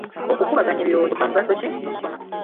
Okukubaganya ebirowoozo kwa mugaso ki mu kusoma?